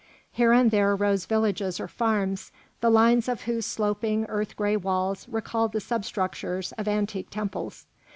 Here and there rose villages or farms, the lines of whose sloping, earth gray walls recalled the substructures of antique temples.